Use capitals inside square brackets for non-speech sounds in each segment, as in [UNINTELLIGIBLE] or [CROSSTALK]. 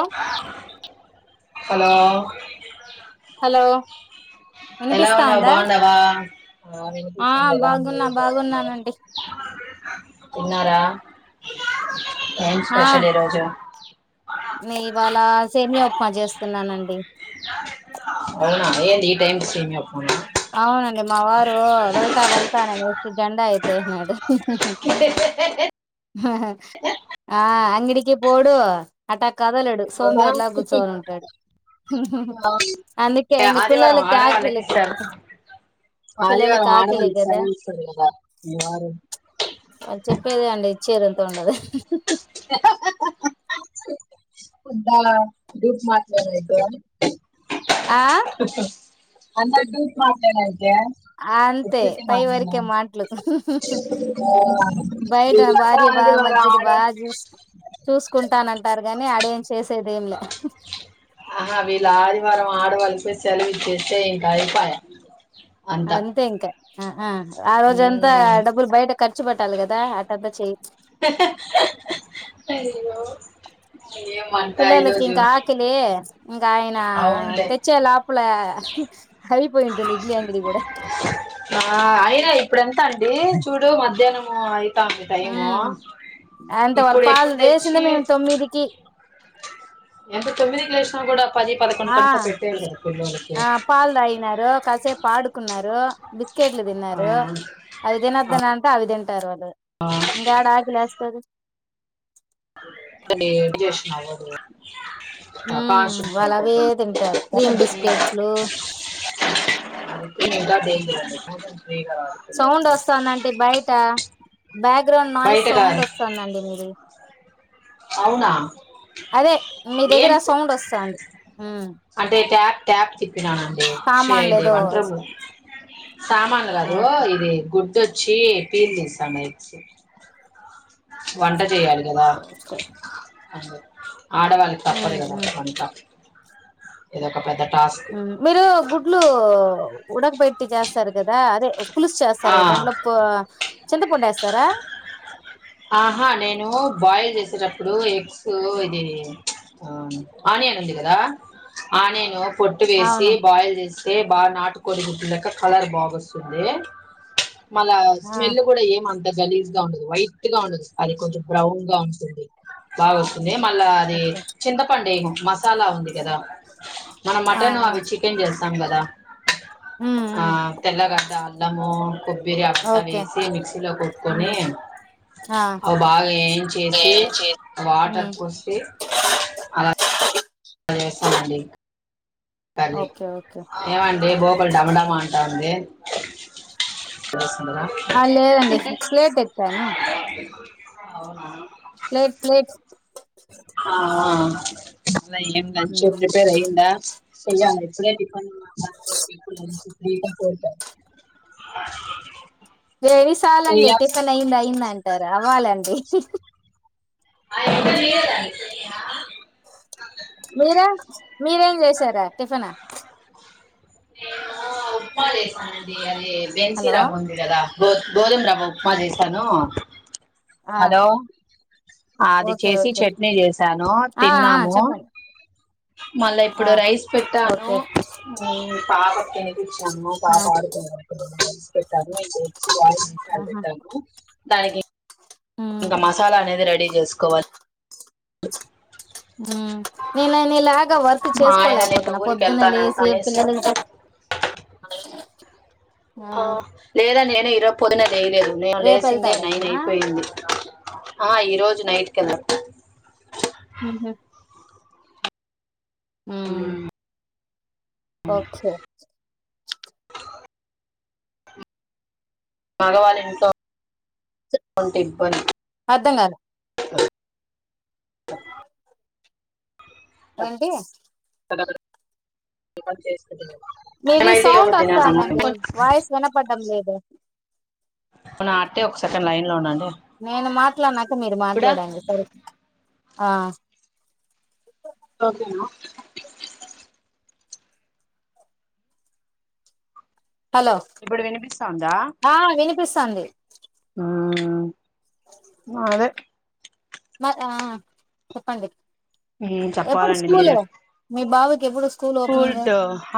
ఆ hello hello ఎలా ఉన్నవు వినిపిస్తాందా బాగున్నావా ఆ ఆ వినిపిస్తుంది ఎలా బాగున్నా ఉన్నారు బాగునా బాగున్నానండి తిన్నారా ఏం ఆ స్పెషలీరోజు నే ఇవాళ సేమియా ఉప్మా చేస్తున్నానండి ఏంటి సేమియా ఉప్మానా అవునండి మా వారూ, వెళ్తా వెళ్తా నని జెండా ఎత్తేసినాడు. ఆ అంగడికి పోడూ అ అట. కదలడు, కదా సోంబేరిలా కూర్చోని ఉంటాడు. ఆ అందుకే ఏ, ఇంగ ఆదివారం పిలలకి ఆడవాళ్ళకి అకిలి ఇస్తారు [INAUDIBLE] పిల్లలకి ఆదివారం ఆకిలే ఆడవాళ్ళకి గదా సెలవు ఇస్తారు కదా ఎవరు వాళ్ళు చెప్పేది అండి ఇచ్చేదైతే ఉండదు. [UNINTELLIGIBLE] అంతల డిప్ మాట్లాదిండా. ఆ అంత డూప్ మాట్లాడినాద్. లే అంతే ఉత్తి ఉత్తి పై మాట్లేనా వరకే మాటలు బయట భార్య బాగా ఆదివారం మంచిది ఆడె. బాగా చూస్ చూసుకుంటానంటారు గాని ఆడే. ఆహా వీళ్ళ ఆదివారం ఆడవాళ్ళ సె. సెలవిచేస్తే ఇంకా ఐపాయే. అంతే ఇంకా. అ. ఆ ఆ రోజంతా హ్మ్. డబ్బులు బయట ఖర్చు పెట్టాలి కదా అట్టంతా చెయి. అయ్యో! ఏమంట పిల్లలకి ఈరోజు. ఇంకా ఆకలీ ఇగ ఆయనా అవునులే. తెచ్చే లోపలె హైప్. ఆ అయినా ఇప్పుడె. ఎత్త అండి చూడు మధ్యాహ్నముయి. ఉ అంత వాళ్ళ ఇప్పుడు పాలు ఎప్పుడు డేసింది తెచ్చి మేము తొమ్మిదికి. ఎంత తొమ్మిదికి లేశిన గుడ. ఆ ఆ పాలు తాగినారు, కాసేపు ఆడుకున్నారు, బిస్కెట్లు ఆ! తిన్నారు, అవి ఆ, తినొద్దుని అంటే అవి తి. తెలువదు ఇంక ఏడ ఆకిలేస్తాది. Date Jewish నవ్వదు. ఉ వాళ్ళ అవే తింటారు మోషన్ క్రీమ్ ఫ్రీగా బిస్కెట్లు. [UNINTELLIGIBLE] సౌండ్ పిల్లోడికి. వస్తానంటి బయట బ్యాగ్రాండ్ నాయిస్ బయట సౌండ్ గాని వస్తుందండి మీది, అవునా? అదే, మీ దగ్గర సౌండ్ వస్తంది ఉ. అదేచ్చా క్యాప్ తిప్పినానండి సామాన్లు ది ఏదో వాంటరూమ్ సామాన్లు ఆ కాదు ఇది గుడ్ ఇది వచి పిల్ తీస్తండ ఎగ్స్ వంట చేయ్యాలి కదా ఓకే అే ఆడవాళ్ళకి ఉమ్ తప్పదు కదా ఉమ్ వంట ఇది ఒక పెద మీరు గుడ్లు ఉడకబెట్టి చేస్తారు కదా అదే పులుసు ఆ చేస్తారు కదా దాంట్లో కు చింతపండ ఎస్తారా వచ్చేటప్పుడు ఎగ్స్ ఇది ఆ ఆనియన్ ఉంది కదా ఆనియన్ పొట్టు వేసి అవును బయిల్ చేసి తే బాగా నాటుకోడి గుడులేక కలర్ బాగా వస్తుంది మళ ఆ స్మెల్ కూడా ఏం అంత అంత గలీజ్ గా ఉండదు వై ఘాటుగా ఉండదు అది కొంచెం బ్రౌన్ గా ఉంటుంది బాగు వస్తూ ంది మళ్ళా అది చింతపండు ఎయిము మసాలా ఉంది ఎదా మన ఆ మటన్ ఆ అవి చికెన్ చేస్తాం సంభద ఉమ్ ఆ ఉమ్ తెల్లగడ అల్లము కొబ్బరి అవంతా ఓకే వేసి మిక్సీలో కొట్టుకొని ఉమ్ ఆ అవి బాగా వేయించి చేసి వాటర్ ఉమ్ పోస్తే అలా ఆ లేస్తాను అండి. కాలు ది ఓకే ఓకే ఏమండి బోకలు డమడమా అం దాేస్ ఆ లేదండి [INAUDIBLE] ప్లేట్ ఎత్తాను [UNINTELLIGIBLE] అవునా [UNINTELLIGIBLE] ప్లేట్ ప్లేట్ ఆ ఇంగ ఏమి లంచ్ ప్రిపేర్ అయ్యందా స జా [INAUDIBLE] [INAUDIBLE] పోతా వేయి సార్లు అండి టిఫెన్ అయింద అయింద అంటారు అవ్వాల ధి [UNINTELLIGIBLE] స మీరు మీరేం చేసారా టిఫిన్ నేను ఉప్మా చేశానండి హలో బెన్సీరాం ఉంది కదా బోర్ గోధుమరావ్వ ఉప్మా చేశాను ఆ హలో అది ఓకే చేసి ఓకే చట్నీ చేసాను ఆ ఆ తిన్నాము చెప్పండి మళ్ళా ఆ ఇప్పుడు రైస్ పెట్టాను ఓకే ఉమ్ పాపక్ తినిపించాము ఆ పాప ఆడుకునే పెట్టాము ఇ వచ్చి వాలు ఆహా పెట్టాము దానికి ఉమ్ ఇంకా మసాలా అనేది రెడీ చేస్ కోవల్ నేను నీలాగా వర్క్ మా ఆయన నిన్న చేసుకోలేకపోతున్నా ఊరికి పొద్దున్న వెళ్తాను వెళ్తా లేసి అనేసి పిల్లలింక్ ఆహ్ లేదా నేనే పోద్ పొద్దున్నే చేయలేదు నేను రేపు లేసిందే నైన్ వెళ్తాడంటనా అయిపోయింది ఆ ఈ రోజు నైట్ కింద ఉహు ఉమ్ ఓకే మగవాల్ ఇంట్లో కొంటి ఇబ్బంది అర్ధం గాలే [UNINTELLIGIBLE] ఏంటి [UNINTELLIGIBLE] మీది మేమైతే ఒకటి సౌండ్ తినేసాము వస్తానండి వాయిస్ వినపడ్డం లేదు. వున అట్టే ఒక సెకండ్ లైన్ లో ఉండండ్. నేను మాట్లాడినాక మీరు మాట్లాడండి సరే ఆ ఓకేనా హలో ఇప్పుడు వినిపిస్తాందా ఆ వినిపిస్తాంది. ఆ ఆ అదే మ ఆ చెప్పండి ఎప్పుడు స్కూలు మీ బాబు ఎప్పుడు స్కూల్ ఓపెనింగ్ టుల్ట్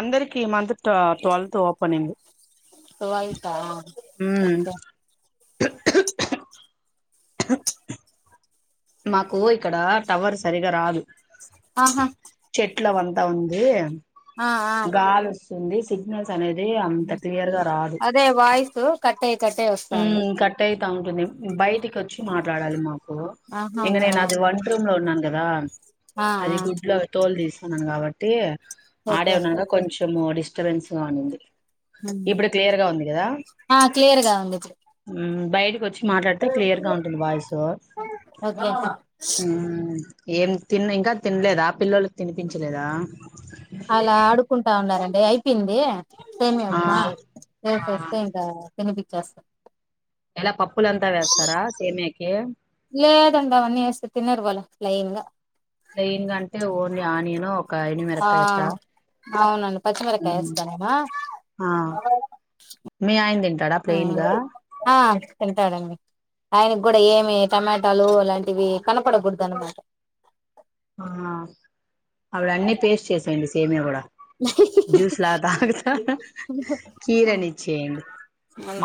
అందరికి మంత్ ట్వల్త్ ఓపెనింగ్ ట్వల్తా ఓకే మాకు ఇక్కడ టవర్ సరిగా రాదు ఆహా చెట్ల అవంత త ఉంది ఆ ఆ ఉంది సిగ్నల్ అదే వాయిసు కట్టయి కట్టయి వస్తాంది ా ఉంటుంది బయట ఇంటికొచ్చి మాట్లాడాలి మాకు ఆహా నేనది ఓకే వంట్రూమ్ లో ఉన్నాను గదా ఆ అది ఆ గుడ్లోవి తోలు తీసి న్నను కాబట్టి ఓకే ఆడవ్ నాన కొంచం మొత్తం డిస్టర్బెన్స్ గా ఉనింది ఆ క్లియర్గా ఉంది ఇప్పుడు బయటకి వచ్చి మాట్లాడితే క్లియర్ గ ఉంటుంది వాాయిస్ ఓకే ఏం తిన్న ఇంకా తినలేద పిల్లలు తినిపించలేదా అదే అయితంది సేమియా ఆ ఉప్మా ఆ చేసేస్తే ఇంక తినిపిచేస్తా ఎలా పప్పులంతా వేస్తారా సేమియాకి లేదండి అవన్నీ వేస్తె తినరు వాళ్ళు లైన్ గా ప్లైన్ గ అంటే ఓన్లీ ఆనియను ఆ అవునండి పచ్చిమిరకాయ వేస్తానవా ఆ మీ ఆయన తింటాడా ప్లెయిన్ గా ఎంత చడండి ఆయన కూడా ఏమి టమాటాలు అలాంటివి కనపడకూడదు అనమాట ఆ అవిడ అన్నిీ పేస్ట్ చేసాయండి సేమే కూడా జ్యూస్ లాగా తాకుత కీరని ఇచ్చేయండి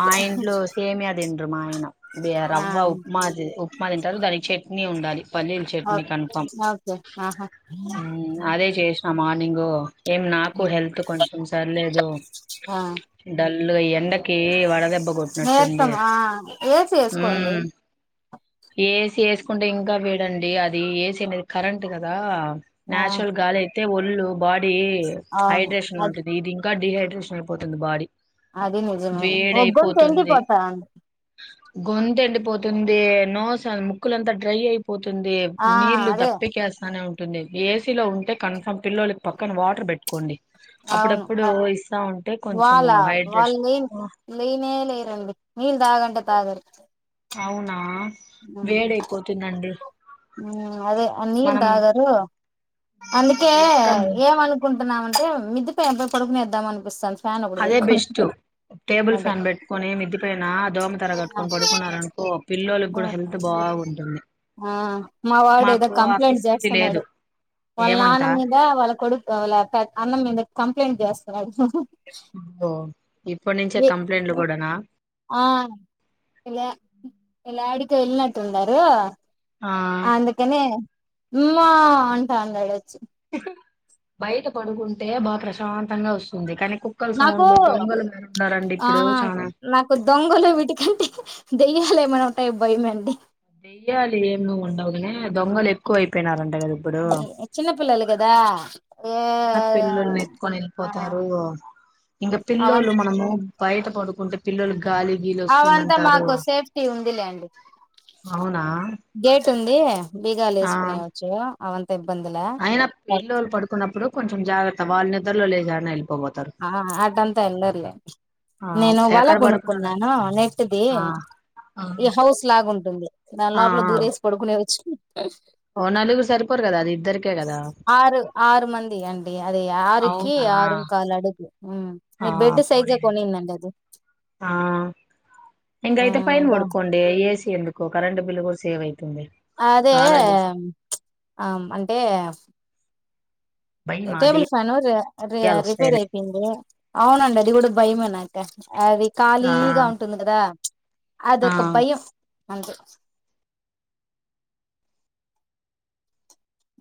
మా ఇంట్లో సేమి అది రమాయణ బ ఆ రవ్వ ఉమాజ మా తంటారు దానికి చట్నీ ఉండాలి పలీర్ చట్నీ కన్ఫర్మ్ ే ఆహా నింగ ఏం నాకు హెల్త్ కొంచెం సరిలేదు ఆ డల్ ల్ ఎంతక వాళ్ద నేర్స్తాం ఏసి వసుకోండి ఉమ్ తీసుకుంటే ఇంకా వేడండి అది వేసినది కరెంటట్ కదా ఆ న్యాచురల్ గాలి అయితే ఒళ్ళు బట్ ఇది అవును హైడ్రేషన్ లో అద్ ఉంటది ఇదింగ్ గడ్డడి హెడ్ష అయిపోతుంది బారీ అదే నిజమే ఒగుం తిండిపోతా అం గొంంత ఎండిపోతుంది నోసార్ ముక్కులంత డ్రై అయి పోతుంది ఆ నీళ్లు ద అదే స్తనే ఉంటుంది ఏసీలో ఉంటే కన్ఫామ్ పిలలకి పక్కన వాటర్ పెట్టుకోండి అవును అప్పుడప్పుడు ఇస్తా ఉంటే వాళ్ళ కొంచెము వాళ్ళ హైడ్రేషన్ లేని లేనే లేరండి నీళ్ళ దాగంట తగర్ అవునా వేడయిపోతుందండి అదే నీ మనం రాగారు అందుకే ముందు లెక్క ఏమనుకుంటున్నామంటే మిదిప ఇప్పుడుకి మీేద్దామ అనిపిస్తాను అదే బెస్ట్ టేబుల్ అదే ఫ్యాన్ పెట్టుకొని మదిపోనా కూడా హెల్త్ బాగుంటుంది మా వాడు ఏదో మాకు ఆ కంప్లైంట్ ఫెసిలిటీ లేదు చేస్తున్నాడు వాళ్ళ నాన్న ఏమంటా మీద వాళ్ళ కొడుకు వాళ్ళ అన్న మీద కం ఎప్లంట్ చేస్తాడు అబ్బో ఇప్పటి నుంచే కంప్లైంట్లు కూడానా ఆ ఎలా ఎలాడి అ వెళ్ళినట్టున్నారు ఆ అందుకనే ఉమ్మ్ అంటాడ్రు ఈడోచ్చి బయట పడుకుంటే బాగా ప్రశాంతంగా వస్తుంది కానీ కుక్కల నాకు సౌండ్లు దొంగలు ఉన్నారండి ఆ ఇప్పుడు చానా నాకు దొంగలు వీటికంటే దెయ్యాల ఏమైనా ఉంటాయో భయమండి దెయ్యాలు ఏం ఉండవు కాని దొంగలు ఎక్కువ అయిపోయినారండి చిన్న పిల్లలు కదా ఏ చిన్న పిల్లుల్ని ఎత్తుకొని ఆ వెళ్ళిపోతారు ఇంక అవం పిల్లోలు మనము బయట పడు ఉంటే పిల్లలు అవంతా మాకు సేఫ్టీ ఉందిలేండి అవునా గేట్ వస్తుంది బిగాలు వేసుకునేవచ్చు అవును ఆయన పిలోళ్ళు పడుకున్నప్పుడు కొంచెం జాగత్త వాళ్ళ నిద్రలో లేచి ఏడనైన వెళ్లి ఆ అటంతా ఎల్లరులే ఆ నేను వల ఎక్కడ పడుకున్నారు కొనుక్కున్నాను నెట్ ది ఆ ఆ ఈ హౌస్ లాగాంటుంది దాని ఆ ఆ లోపల దూరేసి పడుకునే వచ్చు ఓ నలుగురు సరిపోరు కదా అది ఇద్దరికే కదా ఆరు ఆరు మంది అండి అది ఆరుకి అవునా ఆరు ఎ ఆ పోడినే అది ఆ ఆ ఇంగాయితే పైన దో పడుకోండి ఏసి ఎందుకో కరంట్ బిల్ కూడా సేవ్ యితే అదే ప్చ్ ఆమ్ అంటే భయం టేబుల్ అదే ఫ్యాను ర రి దెయ్యాలు రిపేర్ వస్తాయని అయిపోయింది అవునండి అది కూడా భయం అనక అది ఆ ఖాళీగా ఉంటుంది కదా ఆ అదోక భయం అంతే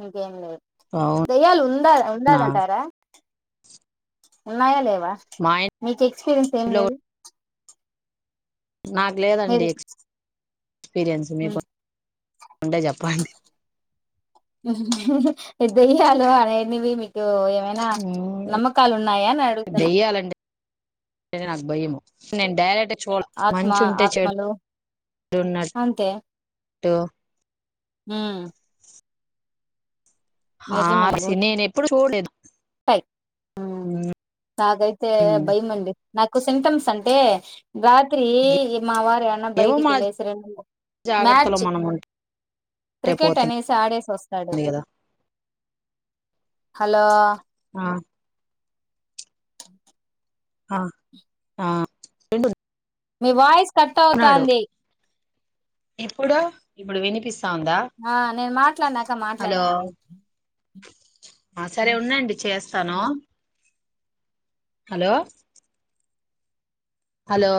ఇంకేం లేదు అవునా దయ్యల్ ఉందా ఉందారంటారా ఉన్నాయా లేవ మా మీకు ఎక్స్పీరియన్స్ ఏం ఇంట్లో లేదు [UNINTELLIGIBLE] నాకు లేదండి మీరు ఎక్ ఎక్స్పీరియన్స్ మీకు ఉం ఎద హలో అన్న ఎన్ని మి ఏమైనా నమ్మకాలు ఉన్నాయా అని అడుగుతున్న దెయ్యాలంటే నాకు భయము నేను డైరెక్ట్ చూడు మంచుంటే ఆత్మలు చెడున్నట్టు అంతే టో ఉమ్ ఆ సీన్ నేను ఎప్పుడు చూడలేదు హై ఉమ్ నాకైతే భయం అండి నాకు సింటమ్స్ అంటే రాత్రి మావారూ అన్న ఏమో మా బయటికివెళ్లేసి రెండు జాగ్రత్తలో మ్యాచ్ మనం ఉంటే క్రికెట్ పోతుంది అనేసి ఆడేసి వస్తాడు కదా హలో ఆ ఆ ఆ మీ వాయిస్ కట్ అన్నాడు అవుతాంది ఇప్పుడు ఇప్పుడు వినిపిస్త్ ఆ నేను మాట్లాడినాక మాట్లాడండి ఆ సరే ఉన్నండి చేస్తాను హలో హలో